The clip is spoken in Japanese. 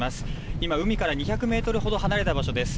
今、海から２００メートルほど離れた場所です。